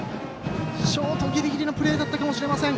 ショート、ギリギリのプレーだったかもしれません。